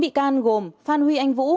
chín bị can gồm phan huy anh vũ